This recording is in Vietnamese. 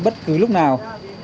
bất cứ lúc nào